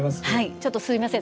ちょっとすいません